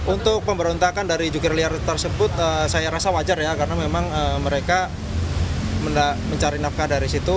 untuk pemberontakan dari jukir liar tersebut saya rasa wajar ya karena memang mereka mencari nafkah dari situ